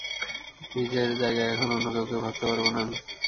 রিজের জায়গায় এখন অন্য কাউকেই ভাবতে পারব না আমি!